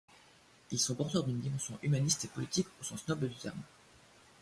Ils sont porteurs d'une dimension humaniste et politique au sens noble du terme.